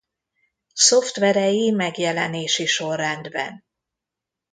Szoftverei megjelenési sorrendben.